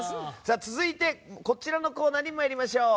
続いてこちらのコーナーに参りましょう。